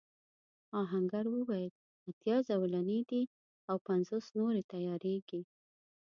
آهنګر وویل اتيا زولنې دي او پنځوس نورې تياریږي.